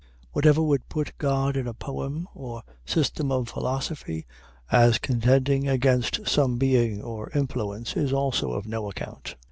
Whatever would put God in a poem or system of philosophy as contending against some being or influence, is also of no account.